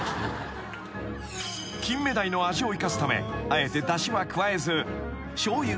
［キンメダイの味を生かすためあえてだしは加えずしょうゆ。